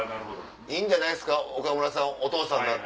いいんじゃないですか岡村さんお父さんになった。